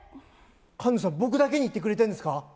菅野さん、僕だけに言ってくれてんですか？